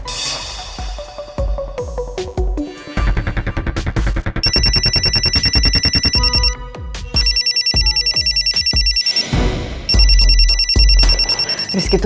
nanti aku jemputin